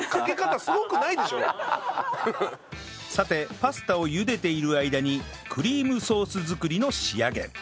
さてパスタを茹でている間にクリームソース作りの仕上げ